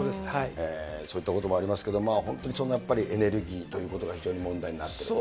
そういったこともありますけど、本当にやっぱりエネルギーということが、非常に問題になっていると。